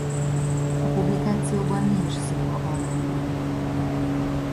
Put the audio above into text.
A publikációban nincs szó a barlangról.